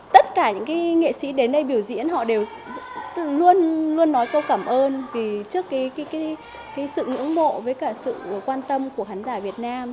tất cả những nghệ sĩ đến đây biểu diễn họ đều luôn luôn nói câu cảm ơn vì trước sự ngưỡng mộ với cả sự quan tâm của khán giả việt nam